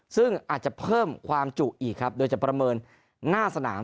ซึ่งอาจจะเพิ่มความจุอีกครับโดยจะประเมินหน้าสนาม